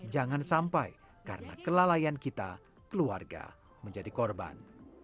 jangan sampai karena kelalaian kita keluarga menjadi korban